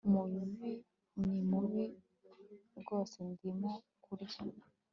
umubu ni mubi rwose ndimo kurya